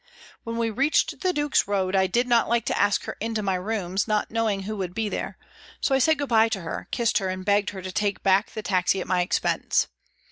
When we reached the Duke's Road, I did not like to ask her into my rooms, not knowing who would be there, so I said good bye to her, kissed her, and begged her to take back the taxi at my expense.